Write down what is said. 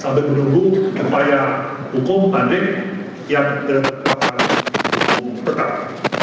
sampai menunggu upaya hukum banding yang dilakukan hukum betah